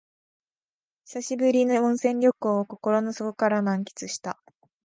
久しぶりの温泉旅行を心の底から満喫した